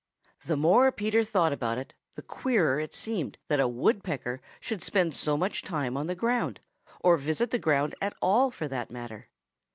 The more Peter thought about it, the queerer it seemed that a Woodpecker should spend so much time on the ground, or visit the ground at all, for that matter.